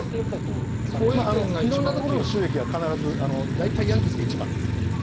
色んなところの放映権は大体、ヤンキースが一番ですね。